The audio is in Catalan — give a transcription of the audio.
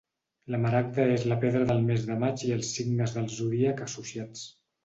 La maragda és la pedra del mes de maig i els signes del zodíac associats.